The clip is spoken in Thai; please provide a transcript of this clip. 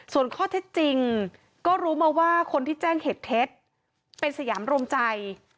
ส่วนข้อเท็จจริงก็รู้มาว่าคนที่แจ้งเหตุเท็จเป็นสยามรวมใจ